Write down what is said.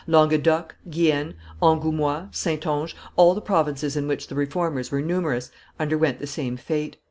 Languedoc, Guienne, Angoumois, Saintonge, all the provinces in which the Reformers were numerous, underwent the same fate.